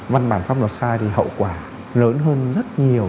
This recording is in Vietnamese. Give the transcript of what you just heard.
văn bản pháp luật sai thì hậu quả lớn hơn rất nhiều